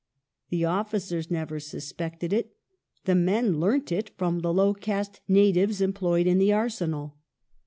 The officei s never suspected it ; the men learnt it from the low caste natives employed in the arsenal.